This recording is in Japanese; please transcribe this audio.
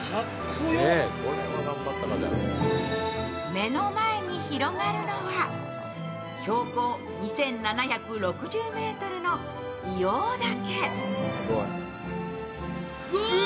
目の前に広がるのは標高２７６０ｍの硫黄岳。